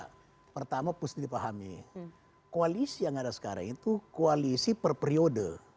ya pertama mesti dipahami koalisi yang ada sekarang itu koalisi per periode